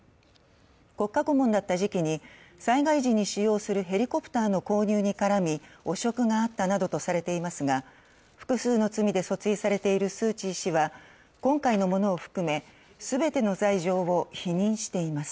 国家顧問だった時期に災害時に使用するヘリコプターの購入に絡み汚職があったなどとされていますが複数の罪で訴追されているスー・チー氏は今回のものを含め、全ての罪状を否認しています。